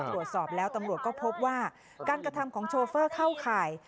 ตรวจสอบแล้วตำรวจก็พบว่าการกระทำของโชเฟอร์เข้าข่าย